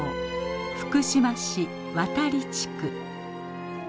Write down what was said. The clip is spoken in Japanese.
福島市渡利地区。